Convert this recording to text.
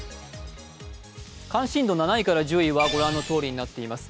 関心度７位から１０位はご覧のようになっています。